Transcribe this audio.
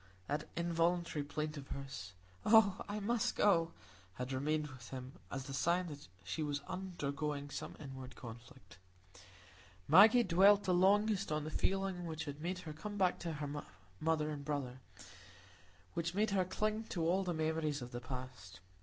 That involuntary plaint of hers, "Oh, I must go," had remained with him as the sign that she was undergoing some inward conflict. Maggie dwelt the longest on the feeling which had made her come back to her mother and brother, which made her cling to all the memories of the past.